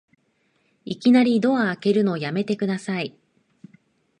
いきなりドア開けるのやめてください